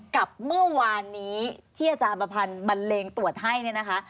กับเมื่อวานนี้ที่อาจารย์ประพันธ์บันเลงตรวจให้เนี่ยนะคะ